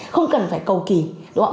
không cần phải cầu kỳ đúng không ạ